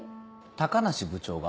高梨部長が？